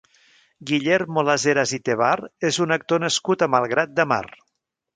Guillermo Lasheras i Tebar és un actor nascut a Malgrat de Mar.